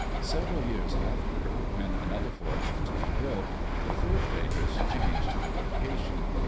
Several years after, when another fort had to be built, the fur traders changed the location.